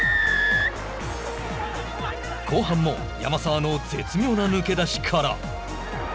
後半も山沢の絶妙な抜け出しから。